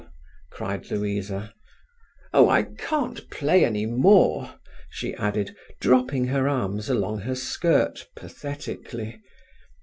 cried Louisa. "Oh, I can't play any more," she added, dropping her arms along her skirt pathetically.